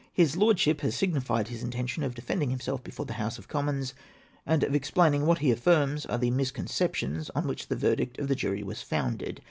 His Lordship has signified his intention of defending liimself before the House of Commons, and of explaining what he affirms are the mis conceptions on which the verdict of the jury was founded.